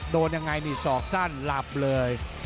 โดนยังไงนี่ศอกสั้นหลับเลย